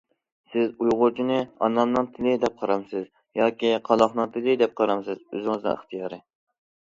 سىز ئۇيغۇرچىنى ئانامنىڭ تىلى دەپ قارامسىز ياكى قالاقنىڭ تىلى دەپ قارامسىز ئۆزىڭىزنىڭ ئىختىيارى.